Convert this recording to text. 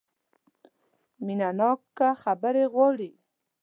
مینه ناکه خبرې غواړي .